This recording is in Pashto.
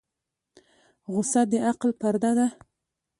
غوسه د عقل پرده ده.